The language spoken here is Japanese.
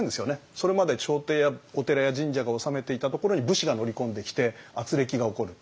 それまで朝廷やお寺や神社が治めていたところに武士が乗り込んできてあつれきが起こるって。